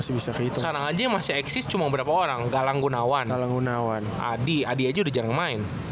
sekarang aja masih exist cuma beberapa orang galang gunawan adi adi aja udah jarang main